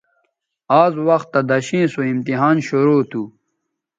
آز وختہ دݜیئں سو امتحان شرو تھو